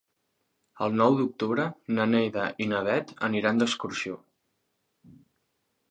El nou d'octubre na Neida i na Bet aniran d'excursió.